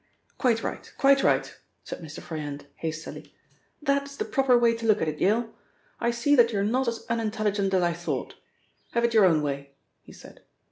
"Quite right, quite right," said Mr. Froyant hastily, "that is the proper way to look at it, Yale. I see that you are not as unintelligent as I thought. Have it your own way," he said.